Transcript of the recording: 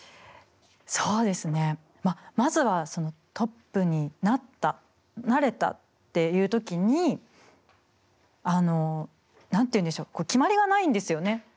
そうですねまあまずはトップになったなれたっていう時にあの何て言うんでしょう決まりがないんですよね。